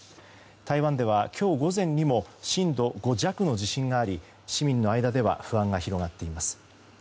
台湾では今日午前にも震度５弱の地震があり市民の間では不安が広がっています。